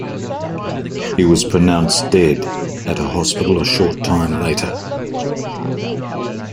He was pronounced dead at a hospital a short time later.